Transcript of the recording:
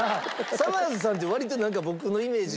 さまぁずさんって割と僕のイメージ